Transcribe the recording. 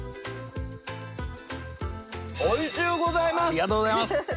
ありがとうございます！